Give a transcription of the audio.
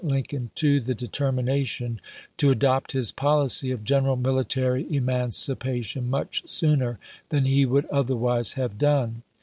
Lincoln to the determination to adopt his policy of general military emancipation much sooner than he would otherwise have done.